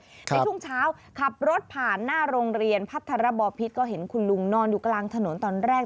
ในช่วงเช้าขับรถผ่านหน้าโรงเรียนพัทรบอพิษก็เห็นคุณลุงนอนอยู่กลางถนนตอนแรก